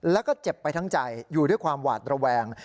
แล้วก็เจ็บไปทั้งใจอยู่ด้วยความหวาดระแวง